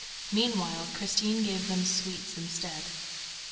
Meanwhile, Christine gave them sweets instead.